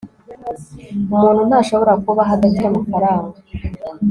umuntu ntashobora kubaho adafite amafaranga